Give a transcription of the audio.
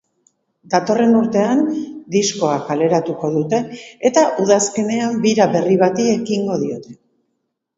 Datorren urtean diskoa kaleratuko dute eta udazkenean bira berri bati ekingo diote.